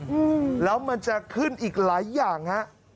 อืมแล้วมันจะขึ้นอีกหลายอย่างฮะ